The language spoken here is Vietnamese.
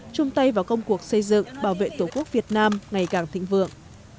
chung tay vào công cuộc xây dựng bảo vệ tổ quốc việt nam ngày càng thịnh vượng